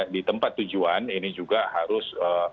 di tempat tujuan ini juga harus